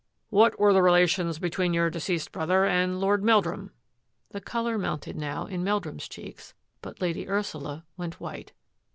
" What were the relations between your de ceased brother and Lord Meldrum? " The colour mounted now in Meldrum's cheeks, but Lady Ursula went white.